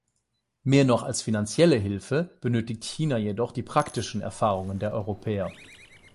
Mehr noch als finanzielle Hilfe benötigt China jedoch die praktischen Erfahrungen der Europäer.